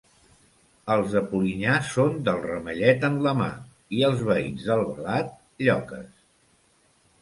Els de Polinyà són del ramellet en la mà i els veïns d'Albalat, lloques.